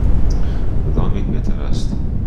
کدام یک بهتر است؟